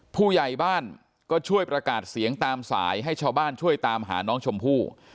ผู้ใหญ่บ้านก็ช่วยประกาศเสียงตามสายให้ชาวบ้านช่วยตามหาน้องชมพู่